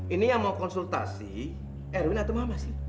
ini yang mau konsultasi erwin atau mama sih